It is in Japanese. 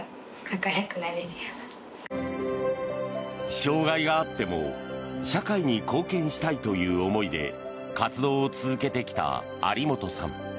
障害があっても社会に貢献したいという思いで活動を続けてきた有本さん。